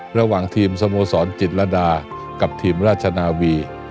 ระหว่างทีมสโมสรจิตรดากับทีมราชนาวี